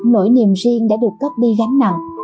nỗi niềm riêng đã được cất đi gắn nặng